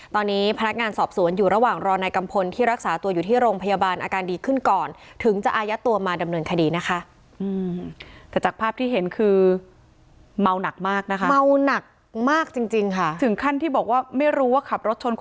ตอนนี้พนักงานสอบสวนอยู่ระหว่างรอนายกำพลที่รักษาตัวอยู่ที่โรงพยาบาลอาการดีขึ้นก่อน